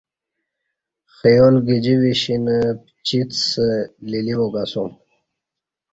خیال گجی وشینہ پچیڅ سہ لیلیواک اسوم